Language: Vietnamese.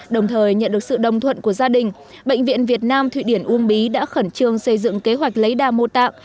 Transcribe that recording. đồng thời nhận được sự đồng thuận của gia đình bệnh viện việt nam thụy điển uông bí đã khẩn trương xây dựng kế hoạch lấy đa mô tạng